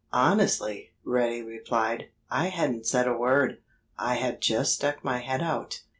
"Honestly," Reddy replied, "I hadn't said a word. I had just stuck my head out.